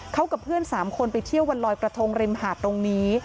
เขากับเพื่อน๓คนไปเที่ยววันลอยกระทงริมหาดตรงนี้